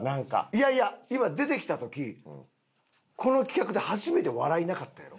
いやいや今出てきた時この企画で初めて笑いなかったやろ。